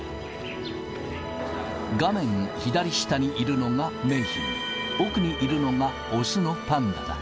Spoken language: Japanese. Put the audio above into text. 画面左下にいるのがメイヒン、奥にいるのが雄のパンダだ。